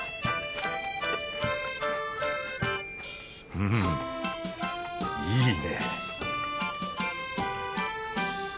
うんいいね